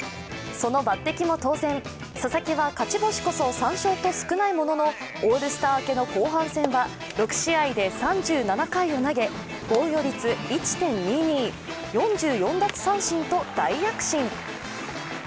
その抜てきも当然、佐々木は勝ち星こそ３勝と少ないもののオールスター明けの後半戦は６試合で３７回を投げ防御率１．２２、４４奪三振と大躍進。